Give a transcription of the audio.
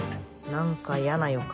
何か嫌な予感。